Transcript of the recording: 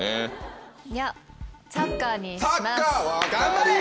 いやサッカーにします。